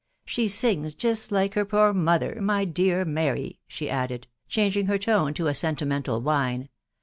She sings just like her poor mother, my dear Mary," she added, changing her tone to a sentimental whine.